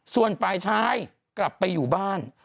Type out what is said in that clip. ส่วนฝ่ายชายกลับไปอยู่บ้าน